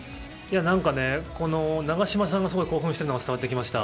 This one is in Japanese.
なんかね永島さんがすごい興奮しているのが伝わってきました。